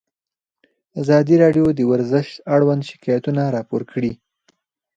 ازادي راډیو د ورزش اړوند شکایتونه راپور کړي.